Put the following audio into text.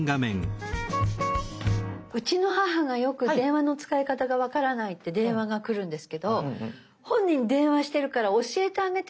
うちの母がよく電話の使い方が分からないって電話が来るんですけど本人電話してるから教えてあげても。